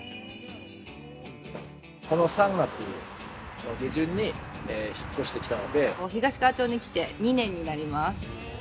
この３月の下旬に引っ越して東川町に来て２年になります。